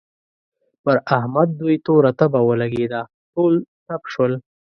پر احمد دوی توره تبه ولګېده؛ ټول تپ شول.